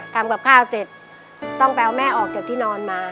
ทำกับข้าวเสร็จต้องไปเอาแม่ออกจากที่นอนมา